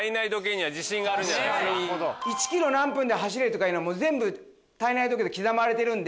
「１ｋｍ何分で走れ」とかいうのも全部体内時計で刻まれてるんで。